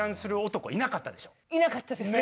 いなかったですね。